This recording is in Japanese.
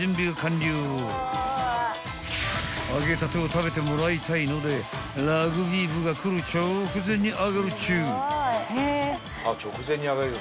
［揚げたてを食べてもらいたいのでラグビー部が来る直前に揚げるっちゅう］